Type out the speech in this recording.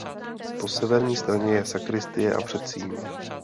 Po severní straně je sakristie a předsíň.